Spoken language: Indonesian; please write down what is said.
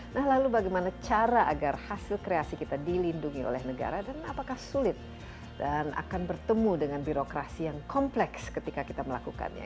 nah lalu bagaimana cara agar hasil kreasi kita dilindungi oleh negara dan apakah sulit dan akan bertemu dengan birokrasi yang kompleks ketika kita melakukannya